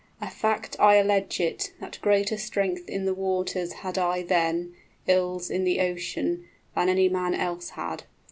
A fact I allege it, 35 That greater strength in the waters I had then, Ills in the ocean, than any man else had.